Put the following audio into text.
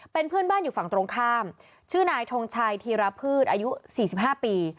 เป็นเพื่อนบ้านอยู่ฝั่งตรงข้ามชื่อนายทรงชายธีรพฤษอายุสี่สิบห้าปี